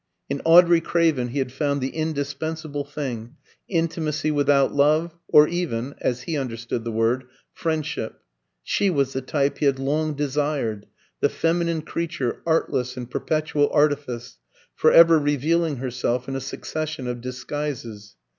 In Audrey Craven he had found the indispensable thing intimacy without love, or even, as he understood the word, friendship. She was the type he had long desired, the feminine creature artless in perpetual artifice, for ever revealing herself in a succession of disguises.